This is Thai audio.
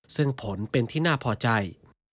ซึ่งผลเป็นที่น่าพอใจ